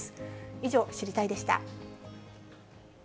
以上、知りたいッ！でした。